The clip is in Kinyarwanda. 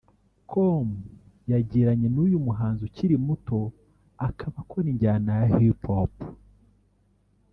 com yagiranye n’uyu muhanzi ukiri muto akaba akora injyana ya Hip hop